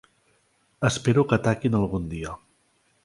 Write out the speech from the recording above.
Espero que ataquin algun dia.